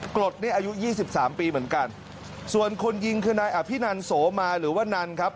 กรดนี่อายุยี่สิบสามปีเหมือนกันส่วนคนยิงคือนายอภินันโสมาหรือว่านันครับ